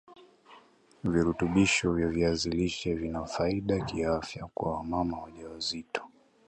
Virutubisho vya viazi lishe vina faida kiafya kwa wamama wajawazito